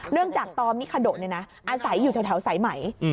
เรื่องจากตอมิคาโดอาศัยอยู่แถวสายไหม